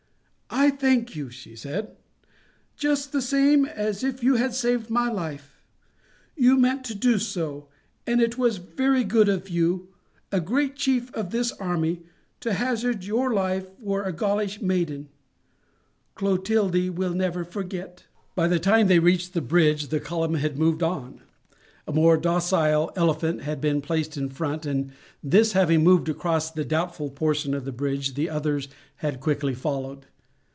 "I thank you," she said, "just the same as if you had saved my life. You meant to do so, and it was very good of you, a great chief of this army, to hazard your life for a Gaulish maiden. Clotilde will never forget." By the time they reached the bridge the column had moved on. A more docile elephant had been placed in front, and this having moved across the doubtful portion of the bridge, the others had quickly followed.